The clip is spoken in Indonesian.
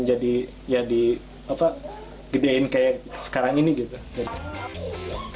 jadi ya digedein kayak sekarang ini gitu